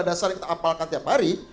lima dasar yang kita apalkan tiap hari